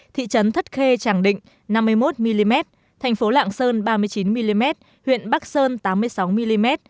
thị trấn thất khê tràng định năm mươi một mm thành phố lạng sơn ba mươi chín mm huyện bắc sơn tám mươi sáu mm